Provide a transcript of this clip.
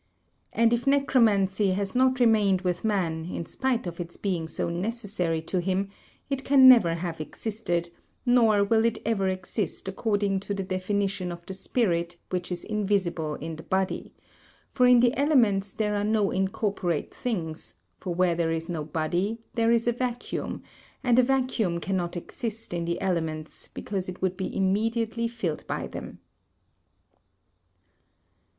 And if necromancy has not remained with man in spite of its being so necessary to him it can never have existed, nor will it ever exist according to the definition of the spirit which is invisible in the body, for in the elements there are no incorporate things, for where there is no body there is a vacuum, and a vacuum cannot exist in the elements because it would be immediately filled by them.